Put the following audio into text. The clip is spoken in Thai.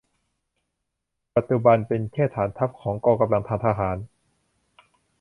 ปัจจุบันเป็นแค่ฐานทัพของกองกำลังทางทหาร